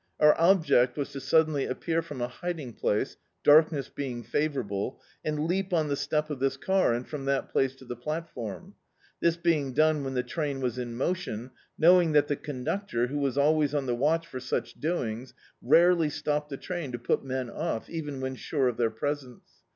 Our object was to suddenly appear from a hiding place, darkness being favourable, and leap on the step of this car, and from that place to the platform; this being dcrae when the train was in motion, knowing that the conductor, who was always on the watch for such doings, rarely stopped the train to put men off, even when sure of their presence.